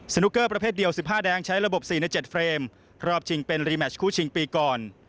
นุเกอร์ประเภทเดียว๑๕แดงใช้ระบบ๔ใน๗เฟรมรอบชิงเป็นรีแมชคู่ชิงปีก่อน